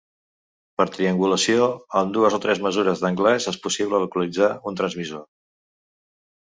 Per triangulació, amb dues o tres mesures d'angles és possible localitzar un transmissor.